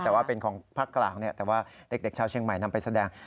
แต่ว่าเป็นของภาคกลางแต่ว่าเด็กชาวเชียงใหม่นำไปแสดง